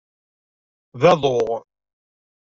D aḍu?